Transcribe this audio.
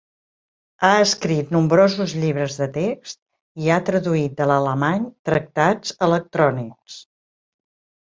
Ha escrit nombrosos llibres de text i ha traduït de l'alemany tractats electrònics.